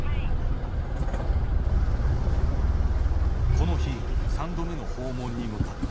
この日３度目の訪問に向かった。